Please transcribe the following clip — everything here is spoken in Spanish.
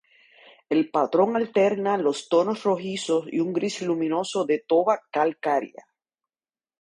El patrón alterna los tonos rojizo y un gris luminoso de toba calcárea.